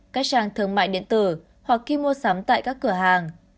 các trang thương mại điện tử hoặc khi mua sắm tại các cửa hàng